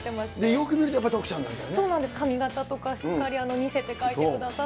よく見るとやっぱり徳ちゃんそうなんです、髪形とか、しっかり似せて描いてくださって。